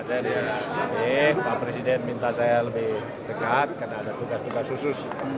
jadi pak presiden minta saya lebih dekat karena ada tugas tugas susus